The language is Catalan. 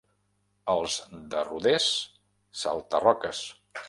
Els de Rodés, salta-roques.